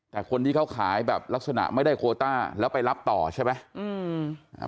แต่คนที่เขาขายแบบลักษณะไม่ได้โคต้าแล้วไปรับต่อใช่ไหมอืมอ่า